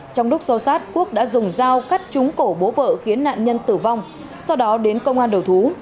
trong lúc xô sát quốc đã dùng dao cắt trúng cổ bố vợ khiến nạn nhân tử vong sau đó đến công an đầu thú